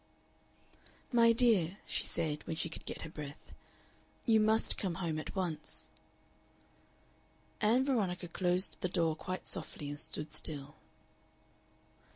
"My dear," she said, when she could get her breath, "you must come home at once." Ann Veronica closed the door quite softly and stood still.